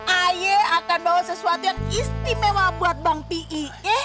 ayah akan bawa sesuatu yang istimewa buat bang pi ya